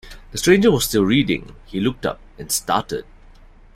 The stranger was still reading; he looked up and started.